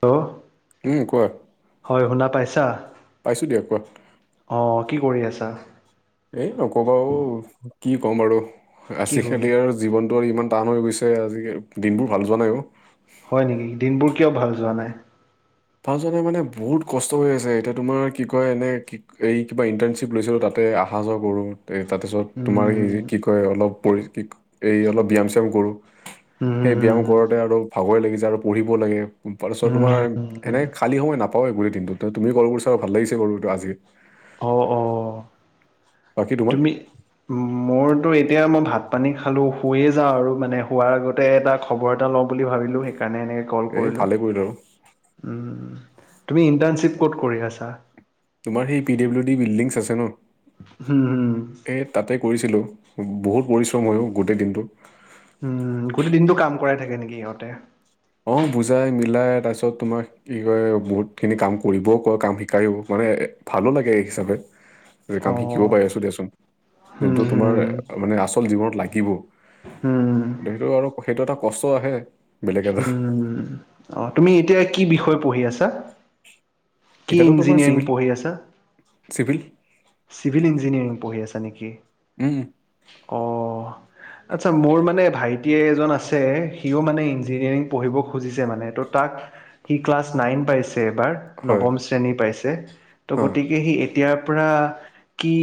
Hello উম, কোৱা হয় শুনা পাইছা। পাইছো দিয়া কোৱা অ' কি কৰি আছা? এই নকবা অ কি ক'ম আৰু কি আচি হ'ল খেলি আৰু জীৱন ইমান টান হৈ গৈছে আজি দিনবোৰ ভাল যোৱা না অ' হয় নেকি। দিনবোৰ কিয় ভাল যোৱা নাই। ভালযোৱা নাই মানে বহুত কষ্ট কৰি আছে। এতিয়া তোমাৰ কি কয় এনে কি এই কিবা ইণ্টাৰ্ণশ্বিপ লৈছিলো তাত এ অহা যোৱা কৰোঁ তাৰপিছত তোমাৰ উম এই কি কয় অলপ পৰি কি এই অলপ ব্যায়াম চ্যায়াম কৰোঁ। উম সেই উম ব্যয়াম কৰোতে আৰু ভাগৰে লাগি যায় আৰু পঢ়িব লাগে তাৰপিছত উম তোমাৰ, উম কালি সময় নাপাওঁ গোটেই দিনতোত তুমি কল কৰিছা বাবে ভাল লাগিছে আজি। অ' অ' বাকী তোমাৰ তুমি মোৰ তো এতিয়া মই ভাত পানী খালোঁ শুয়ে যাওঁ আৰু মানে শুৱাৰ আগতে এটা খবৰ এটা লওঁ বুলি ভাবিলোঁ। কাৰণে এনেকৈ কল এই কৰিলোঁ। ভালে আৰু তুমি ইণ্টাৰ্ণশ্বিপ ক'ত কৰি আছা। তোমাৰ সেই পি ডাব্লিউ ডি বিল্ডিংছ আছে ন। হম, হম। এ তাতে কৰিছিলোঁ বহুত পৰিশ্ৰম হৈ গোটেই দিনটোত। উম, গোটেই দিনটো কাম কৰাই থাকে নেকি সিহঁতে। অ' বুজাই মিলাই তাৰপিছত তোমাক কি ক বহুত খিনি কাম কৰিবও কয়, কাম শিকাই ম মানে ভালো লাগে এই হিচাপে। যে অ কাম শিকিব পাৰি আছো দিয়াচোন। হুম যোনটো তোমাৰ হুম মানে আচল জীৱনত লাগিব। হুম সেইটো আৰু সেইটো এটা কষ্ট আহে। বেলেগ এটা উম, অ' তুমি এতিয়া কি বিষয় পঢ়ি আছা। কি এতিয়াতো তোমাৰ ইঞ্জিনিয়াৰিং চিভিল পঢ়ি আছা। চিভিল চিভিল ইঞ্জিনিয়াৰিং পঢ়ি আছা নেকি? উম। অ'। আচ্ছা মোৰ মানে ভাইটি এজন আছে সিও মানে ইঞ্জিনিয়াৰিং পঢ়িব খুজিছে মানে ত' তাক সি ক্লাচ নাইন পাইচে এইবাৰ, হয় নৱম শ্ৰেণী পাইছে, হা গতিকে এতিয়াৰ পৰা কি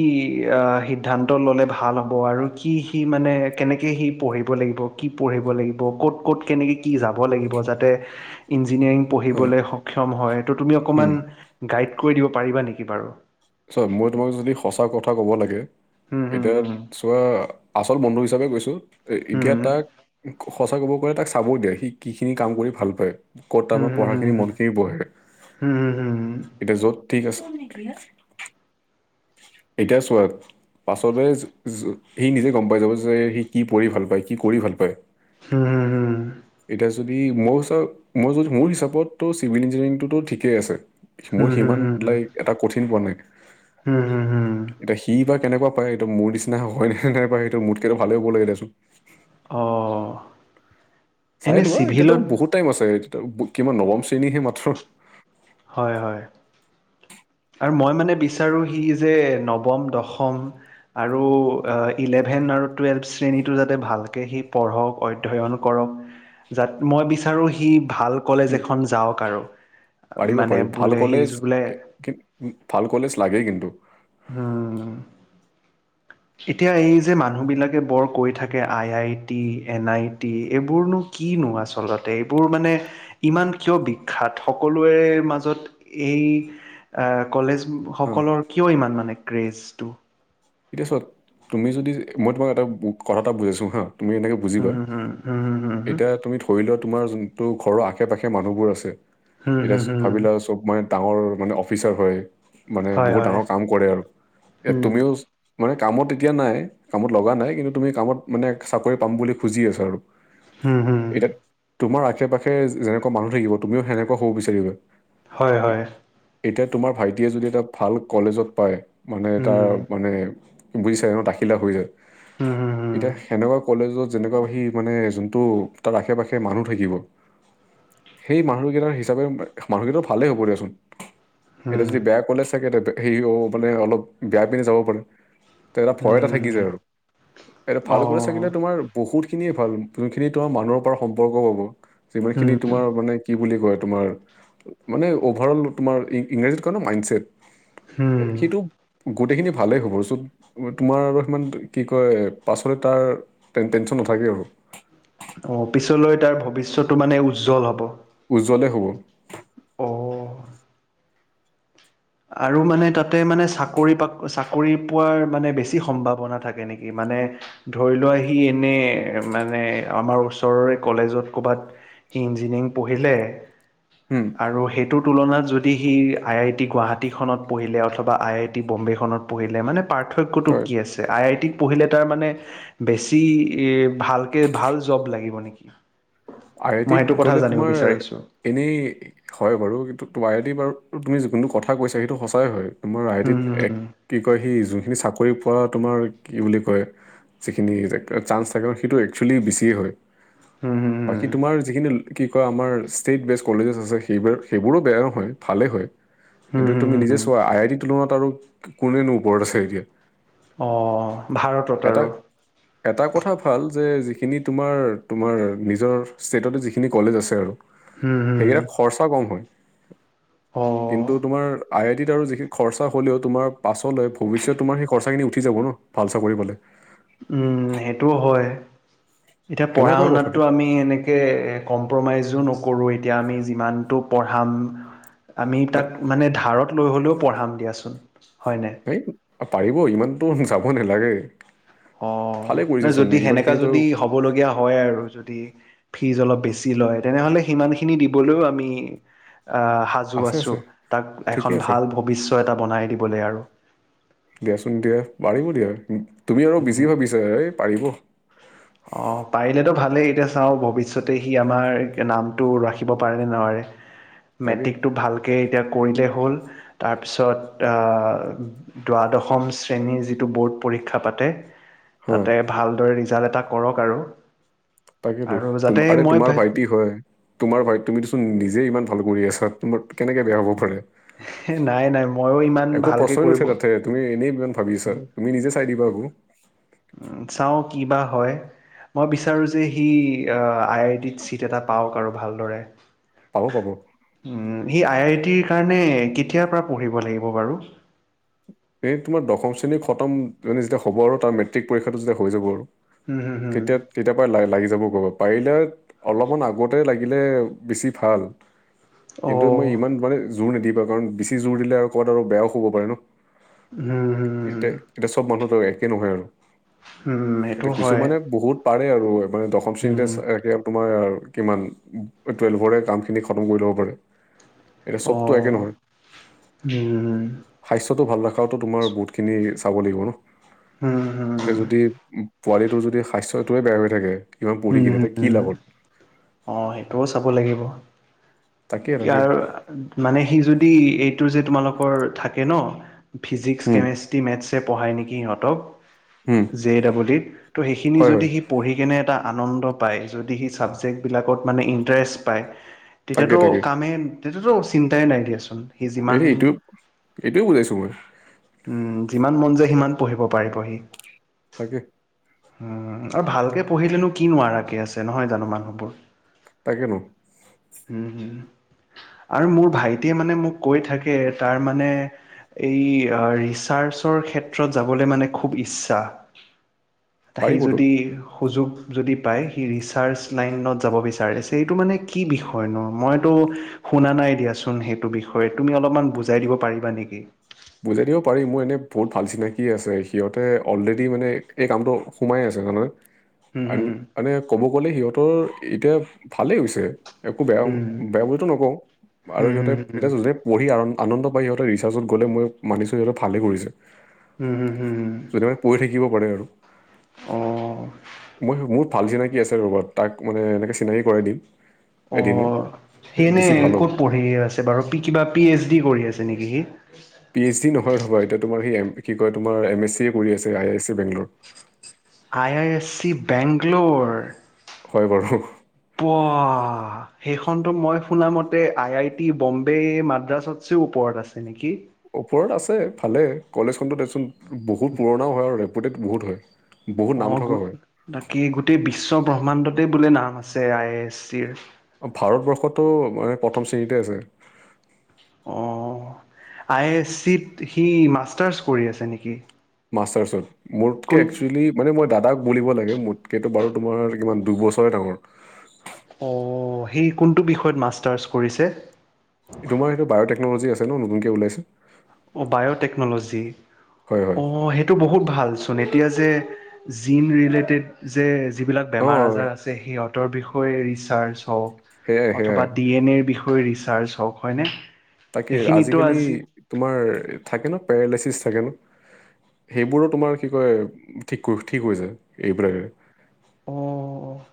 আহ সিদ্ধান্ত ললে ভাল হব। আৰু কি সি মানে কেনেকে সি পঢ়িব লিব কি পঢ় লাগিব ক'ত ক'ত কেনেকে কি যাব? হ'ব লাগিব যাতে ইঞ্জিনিয়াৰিং ইঞ্জিনিয়াৰিং হা পঢ়িবলৈ সক্ষ হয় ত তুমি উম অকমান গাইড কৰি দিব পাৰিবা নেকি বাৰু। চোৱা মই তোমাক যদি সঁচা কথা ক'ব লাগে হুম হুম এতিয়া হুম হুম চোৱা আচল বন্ধু হিচাপে হিচাপে গৈছো এ এতিয়া হুম তাক সঁচা ক'ব গ'লে তাক চাব দিয়ে সি কি খিনি কাম কৰি ভাল পায়। ক'ত হুম আমাৰ হুম পঢ়াখিনি হুম। মন খিনি বহে অ' এনে এতিয়া য'ত ঠিক আছে। নেকি এতিয়া চোৱা। পাছতে সি নিজে গম পাই যাব যে সি কি পঢ় ভাল পায় কি কৰি ভাল পায়। হম হু হম। এতিয়া যদি মই হিচ মই য মোৰ হিচাপত ত চিভিল ইঞ্জিনিয়াৰিংটোতো ঠিকেই আছে। মোৰ সিমান লাইক এটা কঠিন পোৱা নাই। এটায়া সি বা কেনেকুৱা পায় এইটো মোৰ নিচিনা হয় নাই নাই পাই সেইটো মুঠকেইটো ভালে হ'ব লাগে দেচোন। অ'। চাই লোৱা এতিয়াতো বহুত টাইম আছে এতি কিমান নৱম শ্ৰেণীহে মাত্ৰ হয় হয়। আৰু মই মানে বিচাৰো সি যে নৱম দশম, আৰু ইলেভেন আৰু টুৱেলভ শ্ৰেণীটো যাতে ভালকৈ সি পঢ়ক অধ্যয়ন কৰক। যাত মই বিচাৰো সি ভাল কলেজ হুম, এখন যাওক আৰু। পাৰিব মানে পাৰি ভাল বোলে সি কলেজ ভাল কলেজ লাগেই কিন্তু। হম। এতিয়া এই যে মানুহ বিলাকে বৰ কৈ থাকে I I T N I T এইবোৰনো কিনো আচলতে এইবোৰ মানে ইমান কিয় বিখ্যাত সকলোৰে মাজত এই এই এ কলেজ হা সকলৰ কিয় ইমান মানে ক্ৰেজটো? এতিয়া চোৱা তুমি যদি মই তোমাক এটা কথা এটা বুজাইছো হা। তুমি এনেকে বুজিবা, হুম হুম হুম হুম এতিয়া তুমি ধৰি লোৱা তোমাৰ য তো ঘৰৰ আশে পাশে মানুহবোৰ আছে, হুম এতিয়া হুম হুম হুম হুম ভাবিলা চব মই ডাঙৰ মানে অফিচাৰ হয় মানে, হয় বহুত হয় ডাঙৰ কাম কৰে আৰু এ হুম তুমিও মানে কামত এতিয়া নাই কামত লগা নাই কিন্তু তুমি কামত মানে চাকৰি পাম বুলি খুজি আছো আৰু। হুম হুম এতিয়া তোমাৰ আশে পাশে যেনেকুৱা মানুহ থাকিব তুমিও সেনেকুৱা হ'ব বিচাৰিবা। হয় এ- হয়। এতিয়া তোমাৰ ভাইটিয়ে যদি এটা ভাল কলেজত পায় মানে এ হুম তটা মানে বুজিছাই তখিলা হৈ যায় হুম হুম হুম এতিয়া, সেনেকুৱা কলেজত যেনেকুৱা সি মানে যোনটো তাৰ আশে পাশে মানুহ থাকিব। সেই মানুহকেইটাৰ হিচাপে মানুহকেইটাৰ ভালেই হ'ব দিয়াচোন। এতিয়া হুম যদি বেয়া কলেজ থাকে এতিয়া সে মানে অলপ বেয়া পিনে যাব পাৰে। ত এটা ভয় এটা থাকি হুম যায়, আৰু এইটো ভাল অ কৰি চাকিলে তোমাৰ বহুত ভাল যোনখিনি তোমাৰ মানুহৰ পৰা সম্পৰ্ক পাব যিমান হুম খিনি তোমাৰ মানে কি বুলি কয় তোমাৰ, মানে অভাৰ অল তোমাৰ ইংৰাজীত কয় ন মাইণ্ডচছেট। হম। গোটেইখিনি ভালেই হ'বচোন। তোমাৰ আৰু সিমান কি কয় পাছলে তাৰ টেনচন নাথাকে আৰু অ পিছলৈ তাৰ ভৱিষ্যটো মানে উজ্জ্বল হ'ব উজ্বলে হ'ব অ আৰু মানে তাতে মানে চাকৰি চাকৰি পোৱাৰ মানে বেছি সম্ভাৱনা থাকে নেকি মানে মানে ধৰি লোৱা আহি এনেই মানে আমাৰ ওচৰৰে কলেজত ক'ৰবাত সি ইঞজিনিক পঢহলে হুম, আৰু সেইটোৰ তুলনাত যদি সি আই আই টি গুৱাহাটী টীখনত পঢ়িলে অথবা আই আই টি বম্বেখনত পঢ়িলে মানে পাৰ্থক্যটো হয় কি আছে আই আই টিত পঢ়িলে তাৰ মানে বেছি এ ভালকে ভাল জব লাগিব নেকি? আই আই মই টিত সেইটো কথা গ'লে জানিব তোমাৰ বিচাৰিছোঁ। এনেই হয় বাৰু কিন্তু তমাৰ আই আই যদি বাৰু তুমি যোনটো কথা কৈছা সেইটো সঁচাই হয়। মোৰ আইটিত এক হম, কি কয় সি যোনখিনি চাকৰি পোৱা তোমাৰ কি বুলি কয়, যিখিনি চান্স থাকে সেইটো এক্সুৱেলি বেছিয়ে হয়। উম। বাকী তোমাৰ যিখিনি কি কয় আমাৰ ষ্টেট বেজ কলেজেছ আছে সেইব সেইবোৰো বেয়া নহয় ভালেই হয়। হুম কিন্তু হুম তুমি হুম নিজে হুম। আই আই টি লগত আৰু কোনে নো ওপৰত থাকে। অ ভাৰতত আৰু এটা কথা ভাল যে যিখিনি তোমাৰ তোমাৰ নিজৰ ষ্টেটতে যিখিনি কলেজ আছে আৰু হম, হম, সেইকেইটা খৰচাও কম হয় অ', কিন্তু তোমাৰ আই আই টিত আৰু যিখিনি খৰচা হলেও তোমাৰ পাছলৈ ভৱিষ্যত তোমাৰ সেই খৰচাখিনি উঠি যাব ন ভাল চাকৰি পালে উম সেইটোও হয় এতিয়া পঢ়া সেনেকুৱাই কথাটো শুনাতটো আমি এনেকৈ কম্প্ৰমাইজো নকৰোওঁঁ য না- প হয় এই পাৰিব ইমানটো যাব নালাগে অ ভালে ন কৰিছে চোন যদি সেনেকা ইমানখিনিতো যদি হ'ব লগগীয়া হয় আৰু যদি ফীজ অলপ বেছি লয় তেনেহলে সিমানখিনি দিবলৈও আমি আহ সাজু আছে আছো আছে তাক এখন ঠিকে আছে ভাল ভৱিষ্য এটা বনাই দিবলৈ আৰু দিয়াচোন দিয়া পাৰিব দিয়া তুমি আৰু বিজি ভাবিছা এই পাৰিব অ পাৰিলেতো ভালেই এতিয়া চাও ভৱিষতে সি আমাৰ নামটো ৰাখিব পাৰেনে নোৱ তাকে মেট্ৰিকটো ভালকে এতিয়া কৰিলে হ'ল তাৰপিছত দ্বাদশ শ্ৰেণীৰ যিটো ব'ৰ্ড পৰীক্ষা পাতে হা তাতে ভালদৰে ৰিজাল্ট এটা কৰক আৰু তাকেতো আৰু যাতে আৰে মই তোমাৰ ভাইটি হয় তোমাৰ ভাই তুমিতোচোন নিজে ইমান ভাল কৰি আছা তোমাৰ কেনেকে বেয়া হ'ব পাৰে নাই নাই ময়ো ইমান একো ভালকে প্ৰশ্নই কৰিব নুঠে তাতে তুমি এনেই মান ভাবি আছা তুমি নিজে চাই দিবা আকৌ উম চাও কি বা হয় মই বিচাৰোঁ যে সি আই আইটিত চিট এটা পাওক আৰু ভালদৰে পাব পাব উম সি আই আই টিৰ কাৰণে কেতিয়াৰ পৰা পঢ়িব লাগিব বাৰু এই তোমাৰ দশম শ্ৰেণীৰ খতম যেতিয়া হ'ব আৰু তাৰ মেট্ৰিক পৰীক্ষাটো যেতিয়া হৈ যাব আৰু হম হম হম। কেতিয়া তেতিয়াৰ পৰা ল- লাগি যাব পাৰিলে অলপমান আগতে লাগিলে বেছি ভাল অ', কিন্তু মই ইমান উম, মানে জোৰ নিদিবা কাৰণ বেছি জোৰ দিলে আৰু ক'বাত আৰু বেয়াও হ'ব পাৰে ন হুম, এতিয়া এতিয়া চব মানুহটো একে নহয় আৰু উম, সেইটো এতিয়া কিছু হয়। মানে বহুত পাৰে আৰু মানে দশম শ্ৰেণীতে উম, এয়া তোমাৰ কিমান টুৱেলভৰে কামখিনি খতম কৰি ল'ব পাৰে এতিয়া অ চবতো একে নহয় উম স্বাস্থ্যটো ভাল ৰখাটোো তোমাৰ বহুত খিনি চাব লাগিব ন উম, হুম, উম, এতিয়া যদি পোৱালিটোৰ যদি স্বাস্থ্যটোৱে বেয়া হৈ থাকে ইমান পঢ়ি হোম কিনে তে কি হোম লাভ হ'ল অহ সেইটোও চাব লাগিব তাকে তাকে মানে সি যদি এইটো যে তোমালোকৰ থাকে ন! ফিজিক্স, উম কেমেষ্ট্ৰী, মেথ্ছে পঢ়ায় নেকি সিহঁতক! উম জে ডাবলডিত ত' সেইখিনি হয় যদি হয় সি পঢ়ি কেনে এটা আনন্দ পায় যদি সেই চাবজেক্টবিলাকত মানে ইণ্টাৰেষ্ট পায় তাকে তেতিয়াতো তাকে কামে তেটোতো চন্তাই দিয়াচোন এনে এইটো এইটোৱে বুজাইছো মই যিমান মন যায় সি পঢ়িব পাৰিবহি তাকে উম আৰু ভালকে পঢ়িলেনো কি নোৱাৰাকে আছে নহয় জানো মানুহবোৰ তাকে ন উম হম আৰু মোৰ ভাইটিয়ে মানে মোক কৈ থাকে তাৰ মানে এই ৰিচাৰ্চৰ ক্ষেত্ৰত যাবলৈ মানে খু ইচ্ছা। তাসেই পাৰিবতো যদি সুযোগ যদি পায় সি ৰিচাৰ্চ লাইনত যাব বিচাৰিছে এইটো মানে কি বিষয় ন মইতো শুনা নাই দিয়াচোন সেইটো বিষয়ে তুমি অলপমান বুজাই দিব পাৰিবা নেকি? বুজাই দিব পাৰি মোৰ এনে বহুত ভাল চিনাকি আছে সিহঁতে অলৰেডি মানে এই কামটো সোমাই আছ হুম, [unintelligible] হুম, মান ক'ব গলে সিহঁতৰ এতিয়া ভালেই হৈছে। একো বেয়া হুম, বেয়া বুলিতো নকওঁ আৰু হুম, হুম, সিহঁতে হুম, হুম, এতিয়া য পঢ়ি আৰম আনন্দ পায় সিহঁতৰ ৰিচাৰ্চত গ'লে মই মানিছোঁ সিহঁত ভালেই কৰিছে। হুম, হুম, হুম, কেতিবা পঢ়ি থাকিব পাৰে। আৰু অ'। মই মোৰ ভাল চিনাকি আছে ৰ'বা তাক মানে এনেকে চিনাকি কৰাই দিম। অ এদিনে সেই এনে বেছি ভাল হ'ব ক'ত পঢ়ি আছে বাৰু কিবা পি এইচ ডি কৰি আছে নেকি সি? পি এইচ ডি নহয় ৰ'বা এতিয়া তোমাৰ সেই এম কি কয় তোমাৰ এম এছ চি এ কৰি আছে আই আই চি বেংগলৰ। I I S C Bangalore হয় বাৰু হুহ প সেইখনতো মই শুনামতে আই আই টি বম্বে মাদ্ৰাছত তো ওপৰত আছে নেকি ওপৰত আছে ভালে কলেজখনত দেচোন বহুত পুৰণাও হয় আৰু ৰেপুটেড বহুত হয়। বহুত নাম অ' গো থকা হয় বাকী গোটেই বিশ্ব ব্ৰহ্মাণ্ডতে বোলে নাম আছে আই এ এছ চিৰ। ভাৰতবৰ্ষতো মানে প্ৰথম শ্ৰেণীতে আছে। অ' আই এছ চিত সি মাষ্টাৰ্চ কৰি আছে নেকি? মাষ্টাৰ্চত মোতকে কোন একচেলি মানে মই দাদাক বুলিব লাগে। মোতকে বাৰু, তোমাৰ কিমান দুবছৰে ডাঙৰ। অ' সি কোনটো বিষয়ত মাষ্টাৰ্চ কৰিছে? তোমাৰ সেইটো বায় টেকনলজি আছে ন, নতুনকে ওলাইছে। অ' বায়'টেকনলজি, হয় হয় অ' সেইটো বহুত ভাল। চোন এতিয়া যে জিন ৰিলেটেড যে যিবিলাক অ বেমাৰ-আজাৰ আছে সিহঁত তৰ বিষয়ে ৰিচাৰ্জ অঁ, সেয়াই সেয়াই অথবা ডি এন এৰ বিষয়ে ৰিচাৰ্জ হওঁক হয়নে। তাকে সেইখিনিতো আজিকালি আজি তোমাৰ থাকে ন, পেৰালাইচিছ থাকে ন। সেইবোৰো তোমাৰ কি কয় ঠিক ঠিক হৈ যায় এইবিলাকে। অ'।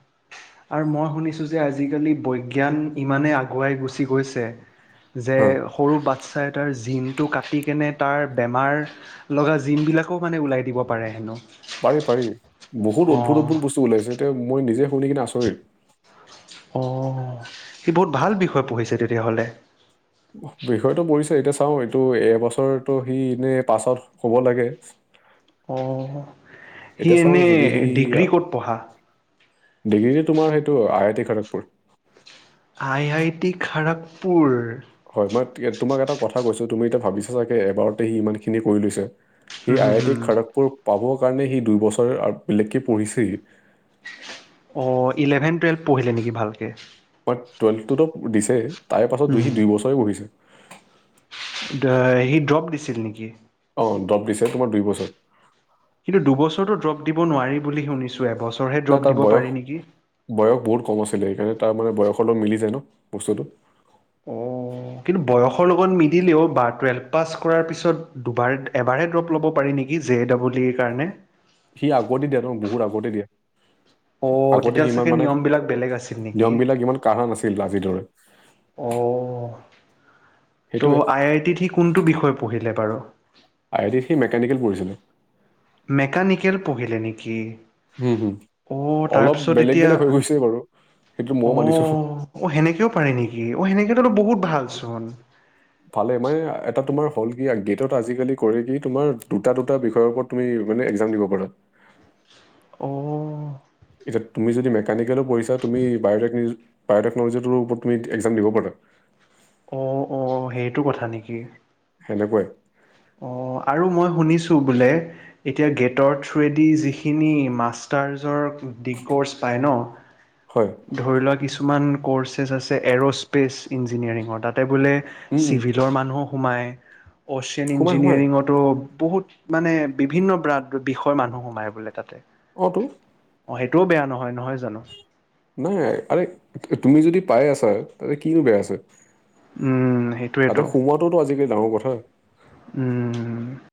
আৰু মই শুনিছো যে আজিকালি বৈজ্ঞান ইমানেই আগুৱাই গুচি গৈছে। যে হা সৰু বাচ্ছা এটাৰ জিম টো কাটিকেনে তাৰ বেমাৰ লগা জিমবিলাকো মানে ওলাই দিব পাৰে হেনো। পাৰি পাৰি, বহুত উদ্ভুত অ' উদ্ভুত বস্তু ওলাইছে এতিয়া মই নিজে শুনি কিনে আচৰিত। অ সি বহুত ভাল বিষয় পঢ়িছে তেতিয়াহ'লে বিষয়টো পৰিছে এতিয়া চাও এইটো এবছৰটো সি এনে পাছ আউট হব লাগে অ সি এতিয়া চাওঁ এনেই যদি সি ডিগ্ৰী ক'ত পঢ়া ডিগ্ৰীটো তোমাৰ সেইটো আই I T Kharagpur I I T Kharagpur হয় মই তোমাক এটা কথা কৈছো তুমি এতিয়া ভাবিছা চাগে এবাৰতে সি ইমান খিনি কৰি লৈছে সি হুম আই হুম আই টি হুম [unintelligible] পাব কাৰণে সি দুই বছৰ বেলেগকে পঢ়িছে সি। অ' ইলেভেন-টুৱেলভ পঢ়িলে নেকি ভালকে? মই টুৱেলভটোতো দিছে তাৰে পাছত দুই সি উম দুই বছৰে বহিছে। সি ড্ৰ'প দিছিল নেকি? অ দ্ৰপ দিছে তোমাৰ দুই বছৰ কিন্তু দুবছৰতো ড্ৰপ দিব নোৱাৰি বুলি শুনিছো নাই তাৰ বয়স বয়স বহুত কম আছে সেকাৰণে তাৰ মানে বয়সৰ মিলি যায় ন বস্তুটো উম কিন্তু বয়সৰ লগত মিলেও বা টুৱেল্ভ পাছ কৰাৰ পিছত দুবাৰ এবাৰ ড্ৰপ ল'ব পাৰি নেকি নেকি জে ডবল ইৰ কাৰণে সি আগতে দিয়া ত বহুত আগতে দিয়া [inaudible] আগতে তেতিয়া সিমান চাগে মানে নিয়মবিলাক বেলেগ আছিল নেকি? নিয়ম বিলাক ইমান কাঢ়া নাছিল আজিৰ দৰে অ ত' সেইটোৱে আই আই টিত সি কোনটো বিষয় পঢ়িলে বাৰু আই আই টিত সি মেকানিকেল প়ঢ়িছিলে মেকানিকেল পঢ়িলে নেকি হম হম অ' অলপ তাৰপিছত বেলেগ এতিয়া বেলেগ হৈ গৈছে বাৰু সেইটো অ ময়ো মানিছো অ সেনেকেও পাৰে নেকি অ সেনেকে বহুত ভাল চোন ভালে মানে এটা তোমাৰ হ'ল কি গেটত আজিকালি কৰে কি তোমাৰ দুটা দুটা বিষয়ৰ ওপৰত তুমি মানে একজাম দিব পাৰা অ এতিয়া তুমি যদি মেকানিকেলো পঢ়িছা তুমি বায়'টেক নিজ বায়'টেকন'লজিটোৰ ওপৰত তুমি একজাম দিব পাৰা অ অ সেইটো কথা নেকি সেনেকুৱাই অ আৰু মই শুনিছোঁ বোলে এতিয়া গেটৰ থ্ৰুৱেদি যিখিনি মাষ্টাৰজৰ দিগ কৰ্চ পায় ন? হয় ধৰি লোৱা কিছুমান কৰ্ছেছ আছে এৰস্পেচ ইঞ্জিনিয়াৰিঙৰ তাতে বোলে উম উম চিভিলৰ মানুহো সোমাই অচিয়ান সোমাই সোমাই ইঞ্জিনিয়াৰিঙতো বহুত মানে বিভিন্ন ব্ৰাদ বিষয় মানুহ সোমাই বোলে তাতে অটো অ' সেইটোও বেয়া নহয়, নহয় জানো? নাই আৰে, তুমি যদি পাই আছা তাতে কিনো বেয়া আছে। উম সেইটোৱেতো তাতে সোমোৱাটোওটো আজিকালি ডাঙৰ কথা। উম